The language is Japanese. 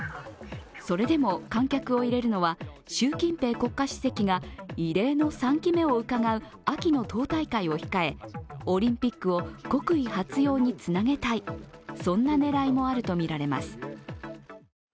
それでも観客を入れるのは習近平国家主席が異例の３期目をうかがう秋の党大会を控え、オリンピックを国威発揚につなげたいそんな狙いもあるとみられます。